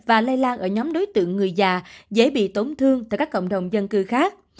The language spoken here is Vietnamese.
và lây lan ở nhóm đối tượng người già dễ bị tổn thương tại các cộng đồng dân cư khác